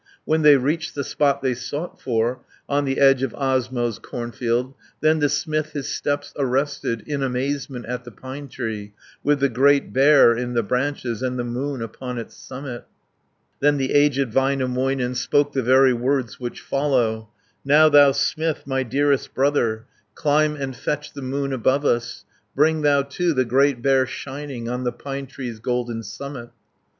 When they reached the spot they sought for, On the edge of Osmo's cornfield, Then the smith his steps arrested, In amazement at the pine tree, With the Great Bear in the branches, And the moon upon its summit. Then the aged Väinämöinen, Spoke the very words which follow: 140 "Now thou smith, my dearest brother, Climb and fetch the moon above us, Bring thou, too, the Great Bear shining On the pine tree's golden summit."